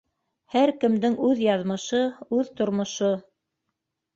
Һәр кемдең үҙ яҙмышы, үҙ тормошо.